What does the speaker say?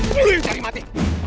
lu yang cari mati